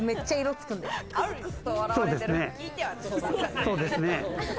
そうですね。